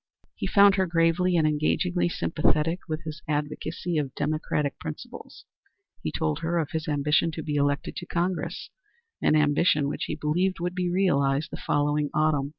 He found her gravely and engagingly sympathetic with his advocacy of democratic principles; he told her of his ambition to be elected to Congress an ambition which he believed would be realized the following autumn.